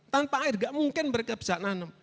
tanpa air gak mungkin mereka bisa nanem